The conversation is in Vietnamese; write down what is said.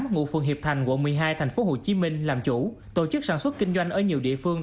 ngụ phường hiệp thành quận một mươi hai tp hồ chí minh làm chủ tổ chức sản xuất kinh doanh ở nhiều địa phương